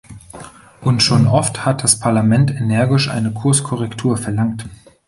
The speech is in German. Und schon oft hat das Parlament energisch eine Kurskorrektur verlangt.